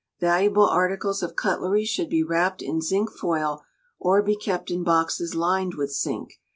Valuable articles of cutlery should be wrapped in zinc foil, or be kept in boxes lined with zinc.